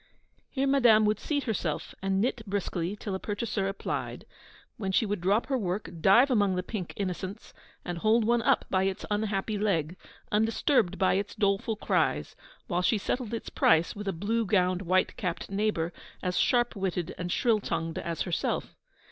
Here Madame would seat herself and knit briskly till a purchaser applied, when she would drop her work, dive among the pink innocents, and hold one up by its unhappy leg, undisturbed by its doleful cries, while she settled its price with a blue gowned, white capped neighbour as sharp witted and shrill tongued as herself.